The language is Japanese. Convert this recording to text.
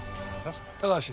高橋